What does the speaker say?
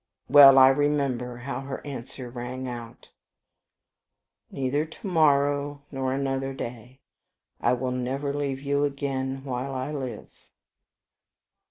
Well I remember how her answer rang out, "'Neither to morrow nor another day: I will never leave you again while I live.'